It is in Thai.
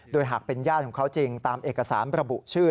โดยหากเป็นญาติของเขาจริงตามเอกสารระบุชื่อ